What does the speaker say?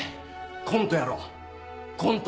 コントやろうコント！